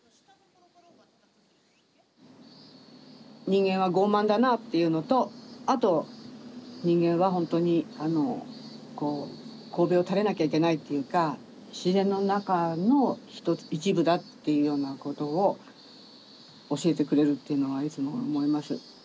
人間は傲慢だなっていうのとあと人間はホントにこうべを垂れなきゃいけないっていうか自然の中の一部だっていうようなことを教えてくれるっていうのはいつも思います。